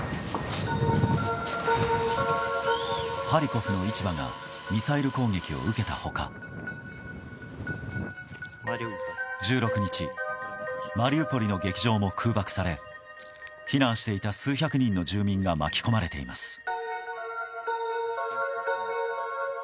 ハリコフの市場がミサイル攻撃を受けた他１６日マリウポリの劇場も空爆され避難していた数百人の住民が巻き込まれています。